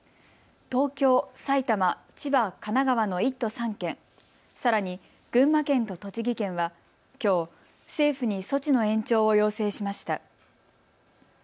東京、埼玉、千葉、神奈川の１都３県、さらに群馬県と栃木県はきょう、政府に措置の延長を要請しました。